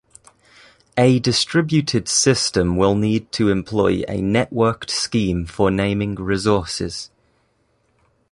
A distributed system will need to employ a networked scheme for naming resources.